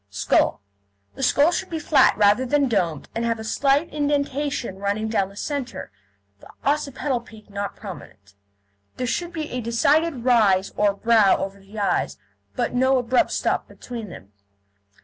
SKULL The skull should be flat rather than domed, and have a slight indentation running up the centre, the occipital peak not prominent. There should be a decided rise or brow over the eyes, but no abrupt stop between them.